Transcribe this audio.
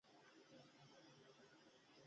دا د کاناډا روحیه ده.